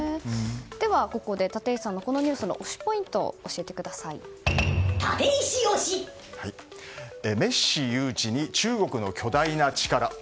では、ここで立石さんのこのニュースのメッシ誘致に中国の巨大な力。